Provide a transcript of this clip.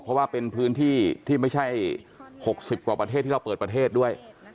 เพราะว่าเป็นพื้นที่ที่ไม่ใช่๖๐กว่าประเทศที่เราเปิดประเทศด้วย